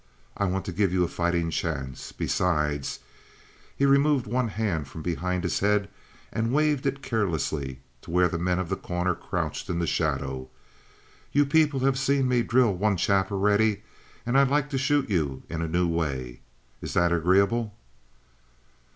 I want to give you a fighting chance. Besides" he removed one hand from behind his head and waved it carelessly to where the men of The Corner crouched in the shadow "you people have seen me drill one chap already, and I'd like to shoot you in a new way. Is that agreeable?"